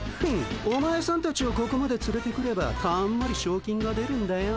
お前さんたちをここまでつれてくればたんまりしょう金が出るんだよ。